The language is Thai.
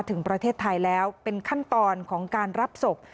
ถึงประเทศไทยแล้วเป็นขั้นตอนของการรับศพ